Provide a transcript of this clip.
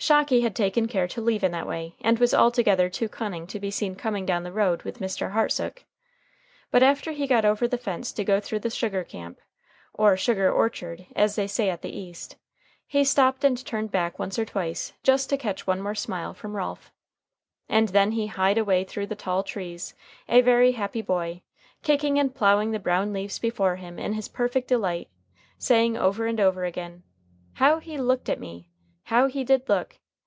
Shocky had taken care to leave in that way, and was altogether too cunning to be seen coming down the road with Mr. Hartsook. But after he got over the fence to go through the "sugar camp" (or sugar orchard, as they say at the East), he stopped and turned back once or twice, just to catch one more smile from Ralph. And then he hied away through the tall trees, a very happy boy, kicking and ploughing the brown leaves before him in his perfect delight, saying over and over again: "How he looked at me! how he did look!"